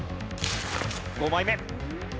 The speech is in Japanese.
５枚目。